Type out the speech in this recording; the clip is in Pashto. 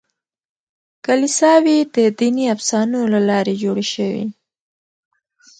کلیساوې د دیني افسانو له لارې جوړې شوې.